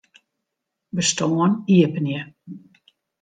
Bestân iepenje.